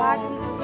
lagi sih lo